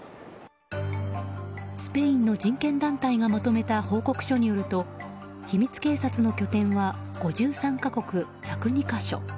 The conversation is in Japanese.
スペインの人権団体がまとめた報告書によると秘密警察の拠点は５３か国１０２か所。